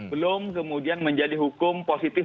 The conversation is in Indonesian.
belum kemudian menjadi hukum positif